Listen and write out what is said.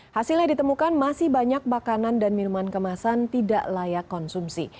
hasilnya ditemukan masih banyak makanan dan minuman kemasan tidak layak konsumsi